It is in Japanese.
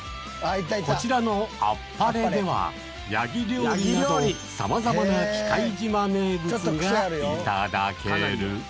こちらの天晴ではヤギ料理など、さまざまな喜界島名物がいただける。